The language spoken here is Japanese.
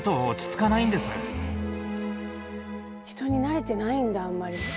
人に慣れてないんだあんまり。